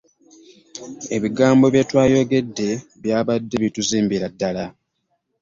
Ebigambo bye twayogedde byabadde bituzimbira ddala.